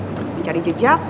terus mencari jejak